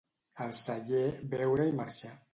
Al celler, beure i marxar.